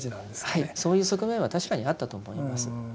はいそういう側面は確かにあったと思います。